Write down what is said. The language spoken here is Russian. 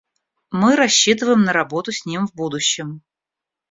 Мы рассчитываем на работу с ним в будущем.